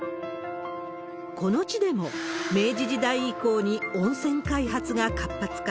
この地でも、明治時代以降に温泉開発が活発化。